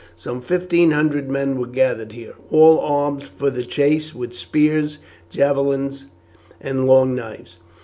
Some fifteen hundred men were gathered here, all armed for the chase with spears, javelins, and long knives.